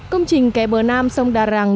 công trình kè bờ nam sông đà rằng